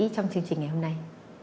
trong chương trình ngày hôm nay